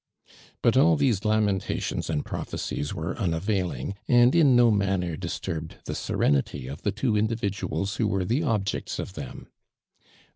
But all these hmientatioiisand prophecies were unavailing, and in no manner disturb ed the serenity of the two individuals who were tlie objects of them.